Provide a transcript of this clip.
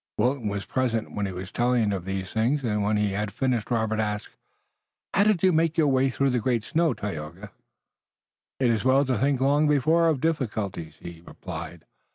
Wilton was present when he was telling of these things and when he had finished Robert asked: "How did you make your way through the great snow, Tayoga?" "It is well to think long before of difficulties," he replied.